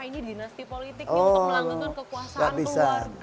ini dinasti politik untuk melanggakan kekuasaan keluarga